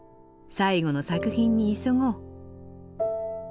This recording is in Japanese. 最後の作品に急ごう。